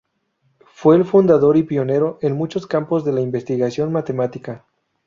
Fue el fundador y pionero en muchos campos en la investigación matemática.